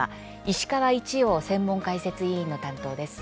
石川一洋専門解説委員の担当です。